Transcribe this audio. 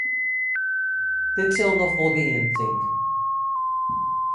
Dit sil noch wol gean, tink.